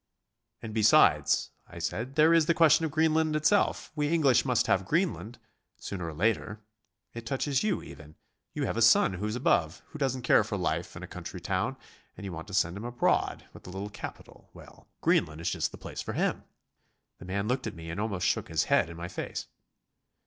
"'And besides,' I said, 'there is the question of Greenland itself. We English must have Greenland ... sooner or later. It touches you, even. You have a son who's above who doesn't care for life in a country town, and you want to send him abroad with a little capital. Well, Greenland is just the place for him.' The man looked at me, and almost shook his head in my face."